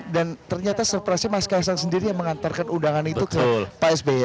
dan ternyata surprise nya mas kaisang sendiri yang mengantarkan undangan itu ke pak sby